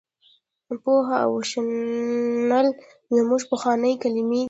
پوهه او شنل زموږ پخوانۍ کلمې دي.